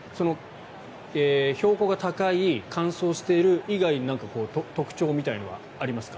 標高が高い乾燥している以外に何か特徴みたいなものはありますか？